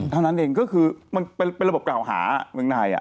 เท่านั้นเองก็คือว่าเป็นระบบกล่าวหามึงไทย